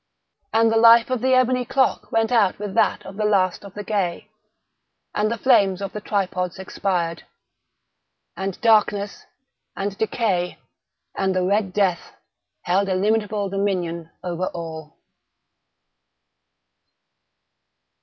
And the life of the ebony clock went out with that of the last of the gay. And the flames of the tripods expired. And Darkness and Decay and the Red Death held illimitable dominion over all.